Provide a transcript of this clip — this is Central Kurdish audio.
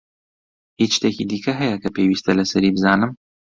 هیچ شتێکی دیکە هەیە کە پێویستە لەسەری بزانم؟